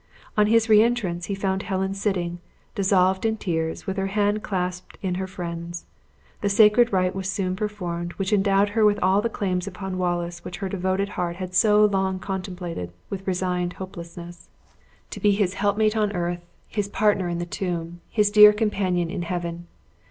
On his re entrance, he found Helen sitting, dissolved in tears, with her hand clasped in his friend's. The sacred rite was soon performed which endowed her with all the claims upon Wallace which her devoted heart had so long contemplated with resigned hopelessness to be his helpmate on earth, his partner in the tomb, his dear companion in heaven!